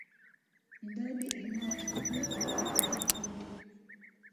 Idadi inayoathirika katika kundi